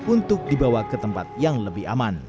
untuk dibawa ke tempat yang lebih aman